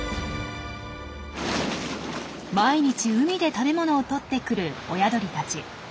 毎日海で食べ物をとってくる親鳥たち。